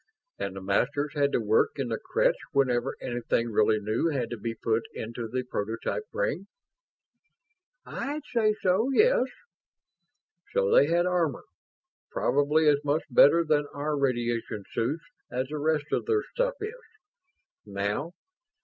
"And the Masters had to work in the creche whenever anything really new had to be put into the prototype brain." "I'd say so, yes." "So they had armor. Probably as much better than our radiation suits as the rest of their stuff is. Now.